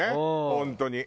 本当に。